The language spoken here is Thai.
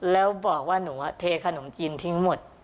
แล้วบอกว่าหนูเทขนมจีนทิ้งหมด